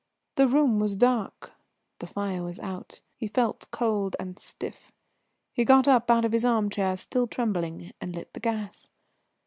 The room was dark, the fire was out; he felt cold and stiff. He got up out of his armchair, still trembling, and lit the gas.